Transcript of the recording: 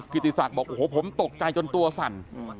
ติศักดิ์บอกโอ้โหผมตกใจจนตัวสั่น